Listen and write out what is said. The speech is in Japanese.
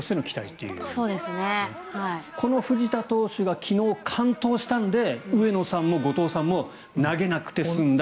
藤田投手は昨日、完投したので上野さんも後藤さんも投げなくて済んだ。